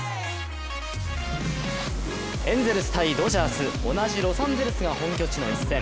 エンゼルス×ドジャース同じロサンゼルスが本拠地の一戦。